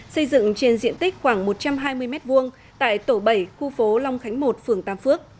xây dựng trên diện tích khoảng một trăm hai mươi m hai tại tổ bảy khu phố long khánh một phường tam phước